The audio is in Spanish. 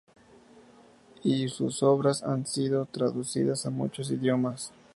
Y sus obras han sido traducidas a muchos idiomas.